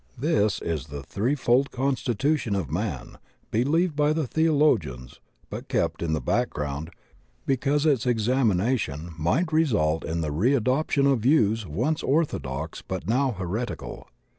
This is the threefold constitution of man, believed by the theo logians but kept in the background because its exami nation might result in the readoption of views once orthodox but now heretical.